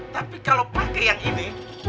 tapi kalau pakai yang ini